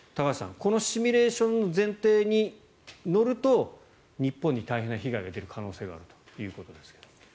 このシミュレーションの前提に乗ると日本に大変な被害が出る可能性があるということです。